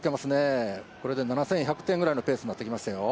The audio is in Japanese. これで７１００点くらいのペースになってきましたよ。